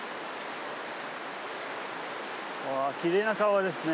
うわきれいな川ですね。